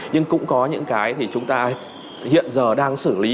nhưng cũng có những cái thì chúng ta hiện giờ đang xử lý